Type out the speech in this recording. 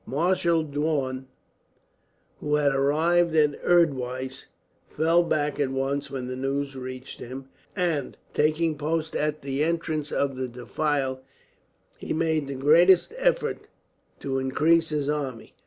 Marshal Daun, who had arrived at Erdwise, fell back at once when the news reached him and, taking post at the entrance of the defile, he made the greatest efforts to increase his army.